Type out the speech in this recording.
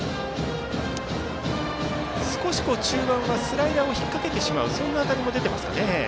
少し中盤はスライダーを引っ掛けてしまうそんな当たりも出ていますか。